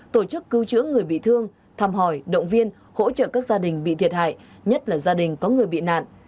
tổ chức cứu chữa người bị thương thăm hỏi động viên hỗ trợ các gia đình bị thiệt hại nhất là gia đình có người bị nạn